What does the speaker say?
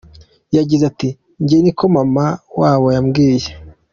Yagize ati “njye niko mama wabo yambwiye.